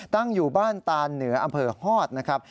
ตั้งอยู่บ้านตานเหนืออำเภอฮอตนะครับ